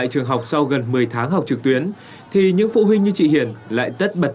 trường học sau gần một mươi tháng học trực tuyến thì những phụ huynh như chị hiền lại tất bật